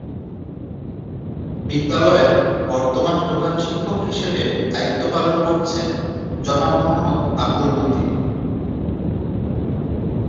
বিদ্যালয়ের বর্তমানে প্রধান শিক্ষক হিসেবে দায়িত্ব পালন করছেন জনাব মোহাম্মদ আব্দুল মতিন।